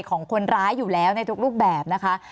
ของคนร้ายอยู่แล้วในทุกรูปแบบนะคะ